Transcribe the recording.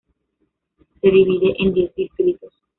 Se divide en diez distritos.